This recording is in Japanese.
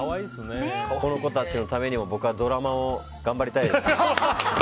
この子たちのためにも僕はドラマを頑張りたいです。